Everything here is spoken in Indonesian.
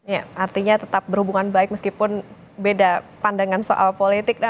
ya artinya tetap berhubungan baik meskipun beda pandangan soal politik